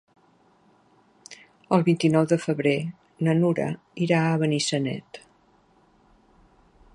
El vint-i-nou de febrer na Nura irà a Benissanet.